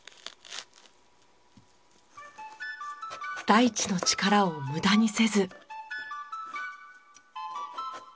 大地の力を無駄にせず。